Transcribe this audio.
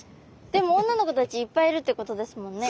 でも女の子たちいっぱいいるってことですもんね。